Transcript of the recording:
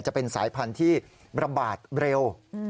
จะเป็นสายพันธุ์ที่ระบาดเร็ว